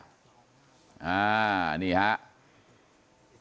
อ่านี่ครับ